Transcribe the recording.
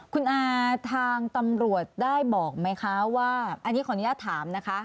คุณอาทางตำรวจได้บอกไหมคะว่าอันนี้ขออนุญาตถามนะคะ